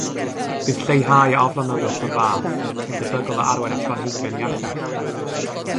Bydd lleihau aflonyddwch o'r fath yn debygol o arwain at blanhigion iachach.